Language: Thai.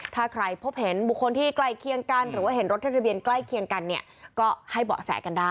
ถ้าใครพบเห็นบุคคลที่ใกล้เคียงกันหรือว่าเห็นรถทะเบียนใกล้เคียงกันเนี่ยก็ให้เบาะแสกันได้